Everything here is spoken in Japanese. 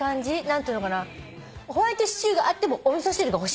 何ていうのかなホワイトシチューがあってもお味噌汁が欲しいタイプなの。